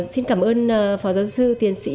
xin cảm ơn phó giáo sư tiến sĩ